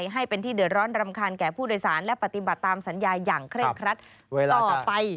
ให้เป็นที่เดือดร้อนรำคาญแก่ผู้โดยสารและปฏิบัติตามสัญญาอย่างเคร่งครัดต่อไป